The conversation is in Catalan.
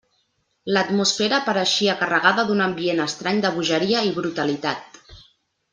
L'atmosfera pareixia carregada d'un ambient estrany de bogeria i brutalitat.